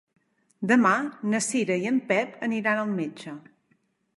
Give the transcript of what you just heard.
Demà na Cira i en Pep aniran al metge.